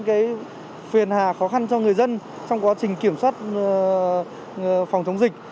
đã gây nên những phiền hà khó khăn cho người dân trong quá trình kiểm soát phòng chống dịch